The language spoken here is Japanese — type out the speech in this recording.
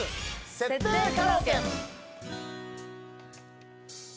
設定カラオケ。